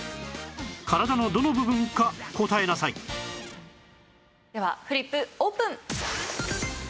体のどの部分か答えなさいではフリップオープン。